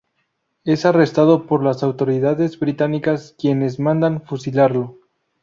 Es arrestado por las autoridades británicas, quienes mandan fusilarlo.